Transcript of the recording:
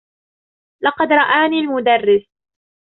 لقد رآني المدرّس.